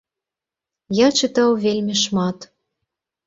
Я чытаў вельмі шмат.